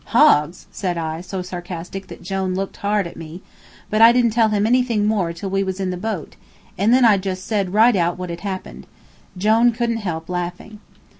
"Hogs!" said I, so sarcastic, that Jone looked hard at me, but I didn't tell him anything more till we was in the boat, and then I just said right out what had happened. Jone couldn't help laughing.